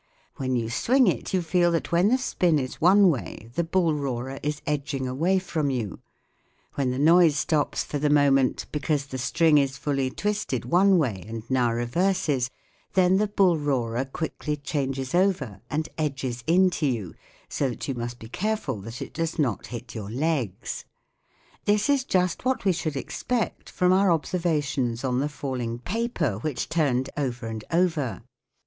When you swing it you feel that when the spin is one way the bull roarer is edging away from you ; when the noise stops for the moment because the string is fully twisted one way and now reverses, then the bull roarer quickly changes over and edges in to you so that you must be careful that it does not hit your legs. This is just what we should expect from our observations on the falling paper which turned over and over.